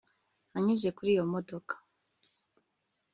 nanyuze kuri iyo modoka